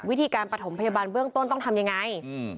วิธีการประถมพยาบาลเบื้องต้นต้องทำยังไง